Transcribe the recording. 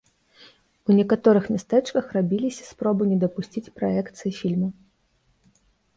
У некаторых мястэчках рабіліся спробы не дапусціць праекцыі фільму.